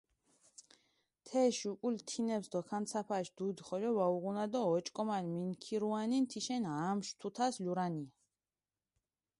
თეშ უკულ თინეფს დოქანცაფაშ დუდი ხოლო ვაუღუნა დო ოჭკომალ მინქირუანინ თიშენ ამშვი თუთას ლურანია.